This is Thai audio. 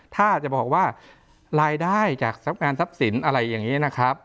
ถ้าจะบอกว่ารายได้จากทรัพย์งานทรัพย์สินอะไรอย่างนี้นะครับ